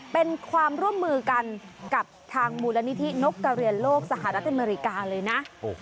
เป็นความร่วมมือกันกับทางมูลนิธินกกระเรียนโลกสหรัฐอเมริกาเลยนะ